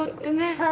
はい。